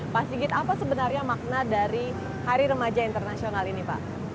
pak sigit apa sebenarnya makna dari hari remaja internasional ini pak